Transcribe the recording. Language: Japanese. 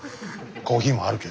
コーヒーもあるけど。